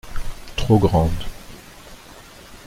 Trop grande.